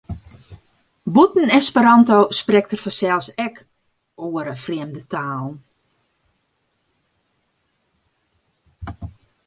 Bûten Esperanto sprekt er fansels ek oare frjemde talen.